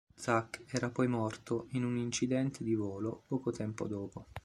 Zak era poi morto in un incidente di volo poco tempo dopo.